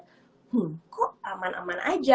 hmm kok aman aman aja